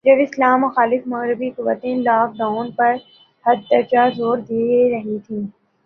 جب اسلام مخالف مغربی قوتیں, لاک ڈاون پر حد درجہ زور دے رہی تھیں